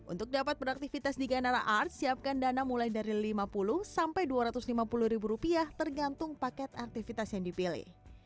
untuk dapat beraktivitas di ganara art siapkan dana mulai dari lima puluh sampai dua ratus lima puluh ribu rupiah tergantung paket aktivitas yang dipilih